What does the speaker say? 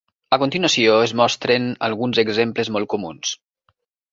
A continuació es mostren alguns exemples molt comuns.